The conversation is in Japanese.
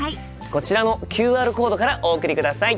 こちらのＱＲコードからお送りください。